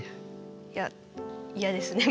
いや嫌ですね